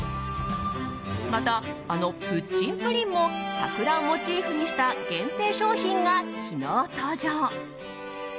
また、あのプッチンプリンも桜をモチーフにした限定商品が昨日、登場。